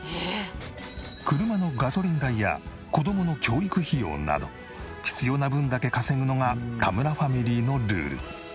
車のガソリン代や子供の教育費用など必要な分だけ稼ぐのが田村ファミリーのルール。